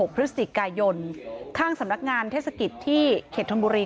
พฤศจิกายนข้างสำนักงานเทศกิจที่เขตธนบุรี